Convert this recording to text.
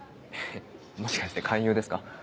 もしかして勧誘ですか？